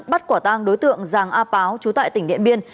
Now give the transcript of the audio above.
bắt quả tang đối tượng giàng a páo trú tại tỉnh điện biên